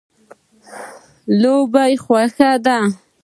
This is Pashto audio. لوبې خوښې دي.